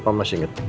bapak masih ingat